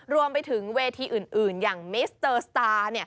รวมไปถึงเวทีอื่นอย่างมิสเตอร์สตาร์